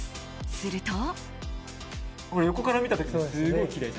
すると。